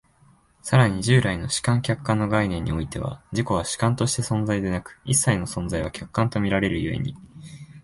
更に従来の主観・客観の概念においては、自己は主観として存在でなく、一切の存在は客観と見られる故に、